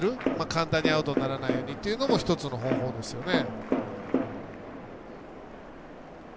簡単にアウトにならないようにというのも１つの方法ですよね。